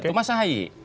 itu mas sahai